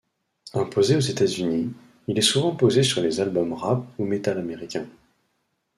Imposé aux États-Unis, il est souvent posé sur les albums rap ou métal américain.